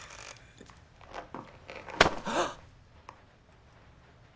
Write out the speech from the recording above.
あっ！